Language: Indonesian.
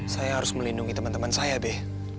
saya harus melindungi temen temen saya be